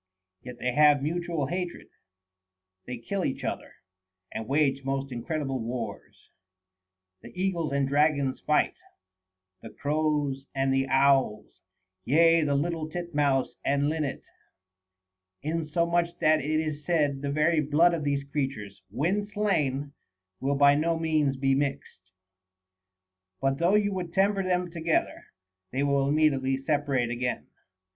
Yet they have mutual hatred ; they kill each other, and wage most incredible wars. The eagles and the dragons fight, the crows and the owls, yea, the little tit mouse and linnet ; insomuch that it is said, the very blood of these creatures, when slain, will by no means be mixed ; but though you would temper them together, they will immediately separate again.